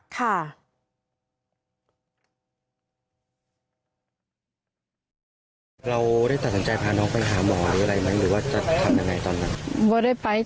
ค่ะ